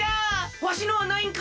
わしのはないんか！？